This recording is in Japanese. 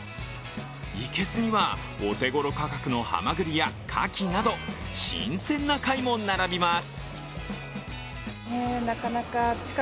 生けすにはお手ごろ価格のはまぐりやかきなど新鮮な貝も並びます。